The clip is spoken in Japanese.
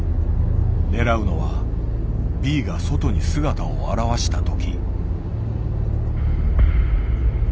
狙うのはＢが外に姿を現した時。